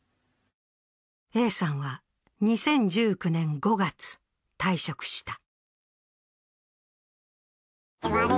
Ａさんは２０１９年５月、退職した。